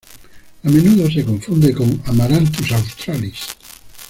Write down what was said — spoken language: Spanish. A menudo se confunde con "Amaranthus australis".